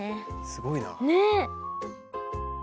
すごいな。ね。